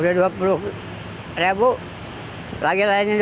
udah dua puluh ribu lagi lainnya dua puluh ribu udah dua puluh ribu lagi lainnya dua puluh ribu